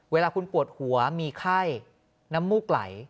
เวลาคุณปวดหัวมีไข้น้ำมูกไหล